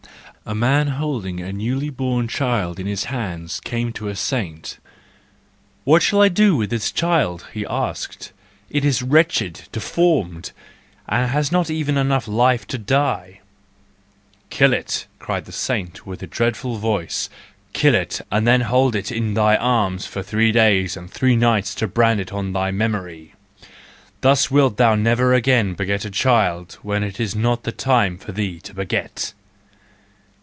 —A man holding a newly born child in his hands came to a saint. " What should I do with the child," he asked, "it is wretched, deformed, and has not even enough of life to die" "Kill it," cried the saint with a dreadful voice, " kill it, and then hold it in thy arms for three days and three nights to brand it on thy memory:—thus wilt thou never again beget a child when it is not the time for thee to beget."